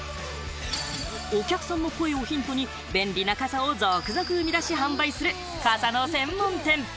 お客さんの声をヒントに便利な傘を続々生み出し販売する傘の専門店。